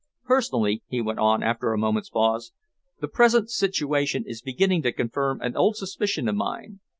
"Personally," he went on, after a moment's pause, "the present situation is beginning to confirm an old suspicion of mine.